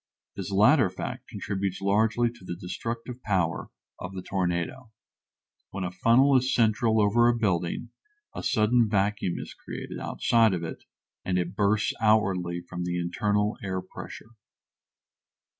This latter fact contributes largely to the destructive power of the tornado. When a funnel is central over a building a sudden vacuum is created outside of it and it bursts outwardly from the internal air pressure.